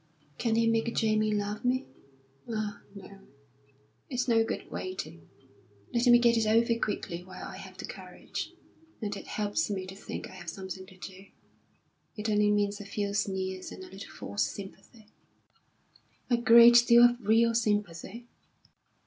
"Can he make Jamie love me? Ah, no, it's no good waiting. Let me get it over quickly while I have the courage. And it helps me to think I have something to do. It only means a few sneers and a little false sympathy." "A great deal of real sympathy."